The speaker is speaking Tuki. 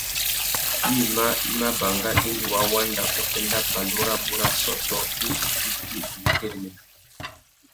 Yïmá i mà banga indi wa wanda uffénda pandú rabú râ assôtô indi i fiti uwú güérémena.